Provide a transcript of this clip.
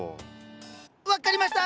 分かりました！